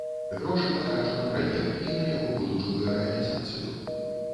Грошы патрачу на праект і на яго будучую рэалізацыю.